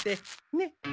ねっ？